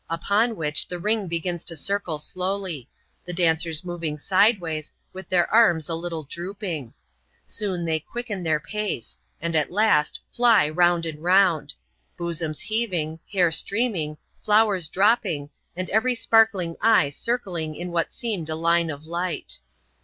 . Upon which, the ring begins to circle slowly 5 the dancers moving sideways, with their arms a little drooping. Soon they quicken their pace ; and, at last, fly round and round ; bosoms heaving, hair stream ing, flowers dropping, and every sparkling eye circling in what, seemed a line of light.